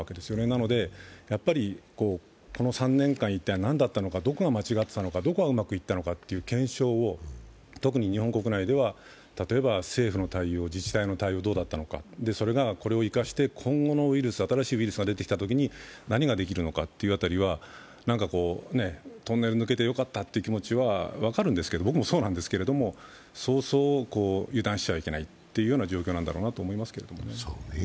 なので、この３年間は一体何だったのか、どこが間違ってたのか、どこがうまくいったのかという検証を特に日本国内では、例えば政府の対応、自治体の対応がどうだったのかそれが、それを生かして、今後、新しいウイルスが出てきたときに何ができるのかという辺りは、トンネル抜けてよかったという気持ちは分かるんですけど、僕もそうなんですけど、そうそう油断しちゃいけないという状況だろうと思いますけどね。